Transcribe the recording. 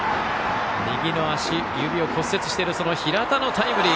右の足指を骨折している平田のタイムリー。